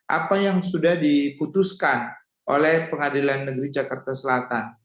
apa yang sudah diputuskan oleh pengadilan negeri jakarta selatan